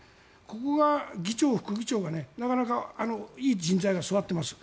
ここが議長、副議長がなかなかいい人材が座っています。